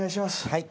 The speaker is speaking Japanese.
はい。